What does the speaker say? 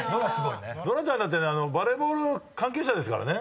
ノラちゃんだってバレーボール関係者ですからね。